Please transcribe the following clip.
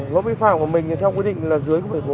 lỗ vi phạm của mình theo quy định là giao thông đường bộ